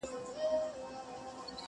خو ډوډۍ یې له هر چا څخه تنها وه!!